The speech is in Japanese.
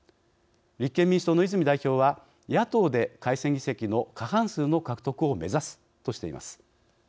立憲民主党の泉代表は野党で改選議席の過半数の獲得を目指すとしています。